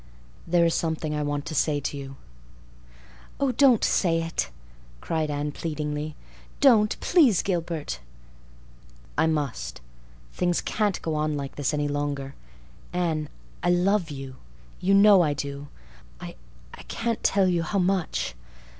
"There is something I want to say to you." "Oh, don't say it," cried Anne, pleadingly. "Don't—please, Gilbert." "I must. Things can't go on like this any longer. Anne, I love you. You know I do. I—I can't tell you how much.